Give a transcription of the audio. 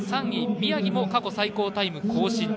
３位、宮城も過去最高タイム更新。